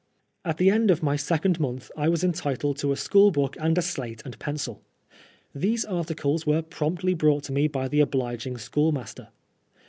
At the end of my second month I was entitled to a school book and a slate and pencil. These articles were promptly bronght to me by the obliging school master.